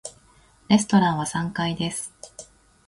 レストランは三階です。